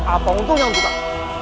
apa untungnya untuk